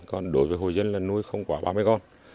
còn đối với hồ dân là nuôi không quá ba mươi con